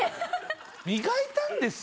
磨いたんですよ